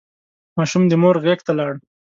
ماشوم د مور غېږ ته لاړ.